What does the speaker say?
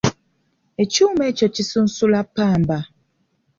Ekyuma ekyo kisunsula ppamba.